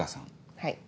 はい。